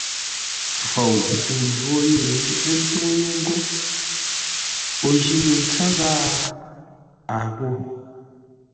Fou tô ńjwó yé, ə́ ntúŋú yé ngô o jî no ntsə́ ghâa? A ghó.